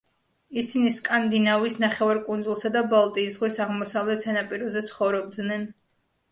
ისინი სკანდინავიის ნახევარკუნძულსა და ბალტიის ზღვის აღმოსავლეთ სანაპიროზე ცხოვრობდნენ.